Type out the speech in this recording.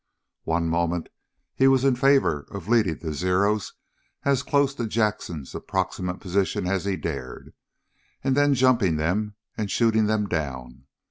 One moment he was in favor of leading the Zeros as close to Jackson's approximate position as he dared, and then jumping them and shooting them down.